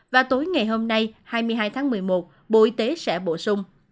và tối ngày hôm nay hai mươi hai tháng một mươi một bộ y tế sẽ bổ sung